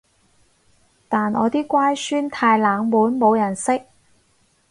但我啲乖孫太冷門冇人識